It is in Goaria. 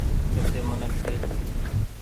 ڪسي منک ڇي ۔